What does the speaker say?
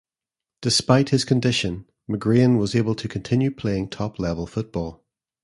Despite his condition, McGrain was able to continue playing top-level football.